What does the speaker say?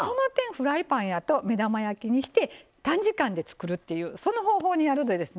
フライパンやと目玉焼きにして短時間で作るっていうその方法でやるとですね